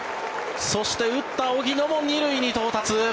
そして打った荻野も２塁に到達。